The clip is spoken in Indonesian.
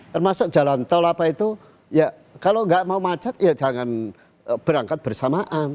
termasuk jalan tol apa itu ya kalau nggak mau macet ya jangan berangkat bersamaan